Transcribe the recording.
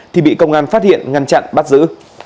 thì bị công an phát hiện ngăn chặn bắt giữ